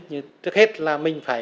như trước hết là mình phải